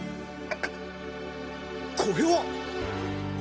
これは！